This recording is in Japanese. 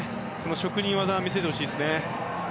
職人技を見せてほしいですね。